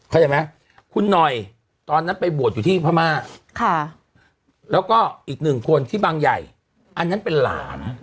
เข้าใจไหมคุณหน่อยตอนนั้นไปบวชอยู่ที่พม่าแล้วก็อีกหนึ่งคนที่บางใหญ่อันนั้นเป็นหลาน